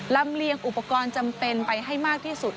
ลำเลียงอุปกรณ์จำเป็นไปให้มากที่สุด